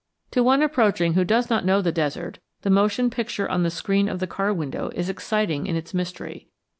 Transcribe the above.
To one approaching who does not know the desert, the motion picture on the screen of the car window is exciting in its mystery.